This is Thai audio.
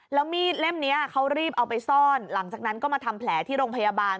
แล้วมีดเล่มนี้เขารีบเอาไปซ่อนหลังจากนั้นก็มาทำแผลที่โรงพยาบาล